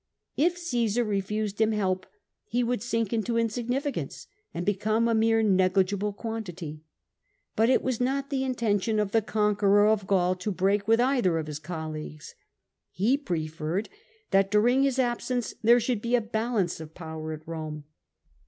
If Caesar refused him help, he would sink into insignificance, and become a mere negligible quantity. But it was not the intention of the conqueror of Gaul to break with either of his colleagues. He preferred that during his absence there should be a balance of power at Rome.